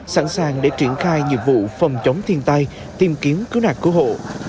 sẵn sàng để triển khai nhiệm vụ phòng chống thiên tai tìm kiếm cứu nạc cứu hộ